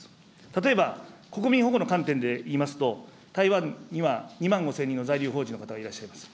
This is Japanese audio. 例えば、国民保護の観点で言いますと、台湾には２万５０００人の在留邦人の方がいらっしゃいます。